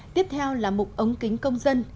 tiếp theo là mục ống kính công dân